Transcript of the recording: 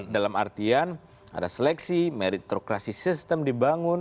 dalam artian ada seleksi meritokrasi sistem dibangun